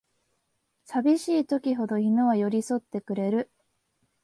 さびしい時ほど犬は寄りそってくれる